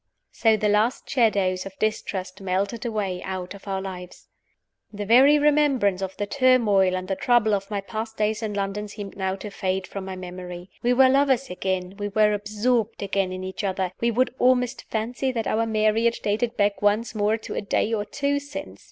So the last shadows of distrust melted away out of our lives. The very remembrance of the turmoil and the trouble of my past days in London seemed now to fade from my memory. We were lovers again; we were absorbed again in each other; we could almost fancy that our marriage dated back once more to a day or two since.